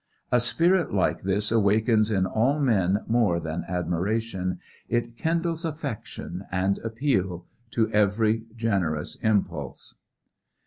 A spirit like this awakens in all men more than admiration, it kindles affection and appeal to every generous impulse.